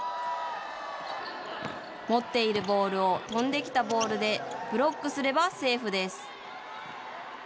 持っているボールを飛んできたボールでブロックすればセーフです。